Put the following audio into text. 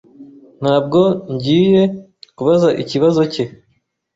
Ntabwo ngiye kubaza ikibazo cye.